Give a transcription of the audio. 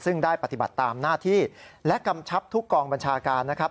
ซึ่งได้ปฏิบัติตามหน้าที่และกำชับทุกกองบัญชาการนะครับ